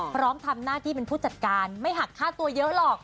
พร้อมทำหน้าที่เป็นผู้จัดการไม่หักค่าตัวเยอะหรอก